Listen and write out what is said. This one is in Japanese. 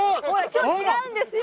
今日違うんですよ